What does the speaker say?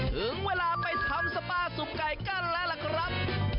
ถึงเวลาไปทำสปาสุ่มไก่กันแล้วล่ะครับ